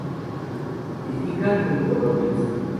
Nidifica en colonias.